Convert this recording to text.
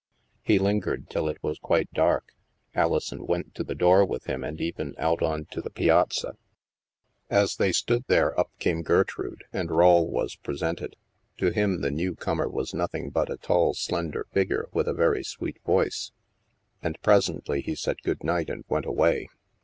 He lingered till it was quite dark. Alison went to the door with him and even out on to the piazza. n (( it 6o THE MASK As they stood there, up came Gertrude, and Rawle was presented. To him the new comer was nothing but a tall slender figure with a very sweet voice. And presently he said good night and went away.